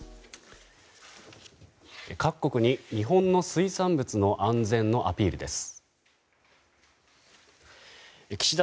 各国に日本の水産物の安全のアピールです。